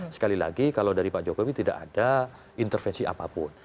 sekali lagi kalau dari pak jokowi tidak ada intervensi apapun